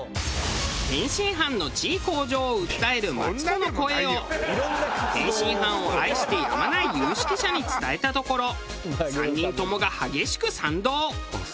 天津飯の地位向上を訴えるマツコの声を天津飯を愛してやまない有識者に伝えたところ３人ともが激しく賛同。